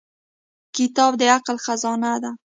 • کتاب د عقل خزانه ده.